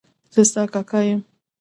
زه ستا کاکا یم.